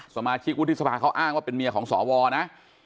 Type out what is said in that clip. สมาชิกฤษภาอ้างว่าเป็นเมียของสอวนะ